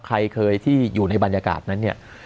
ใครเคยที่อยู่ในบรรยากาศนั้นเนี่ย